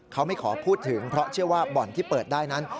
เขาไม่ขอพูดถึงเพราะเชื่อว่าบ่อนที่เปิดได้นั้น